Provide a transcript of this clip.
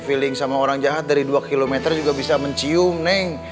feeling sama orang jahat dari dua km juga bisa mencium nih